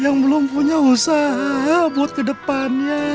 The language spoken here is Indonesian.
yang belum punya usaha buat kedepannya